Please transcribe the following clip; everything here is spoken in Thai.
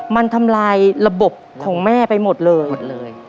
มันทำลายระบบของแม่ไปหมดเลย